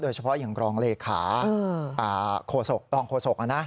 โดยเฉพาะอย่างรองเลขาโฆษกตอนโฆษกนะ